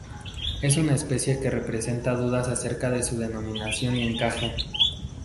Es una especie que presenta dudas acerca de su denominación y encaje.